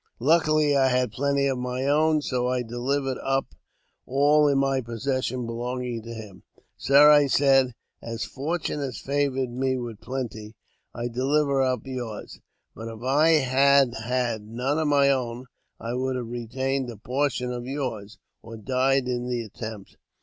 Luckily, I had plenty of my own, so I delivered up all in my possession belonging to him. *' Sir," I said, " as Fortune has favoured me with plenty, I deliver up yours ; but, if I had had none of my own, I would have retained a portion of yours, or died in the attempt.